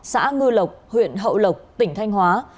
xã ngư lộc huyện hậu lộc tỉnh thanh hóa